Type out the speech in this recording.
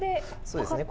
そうですね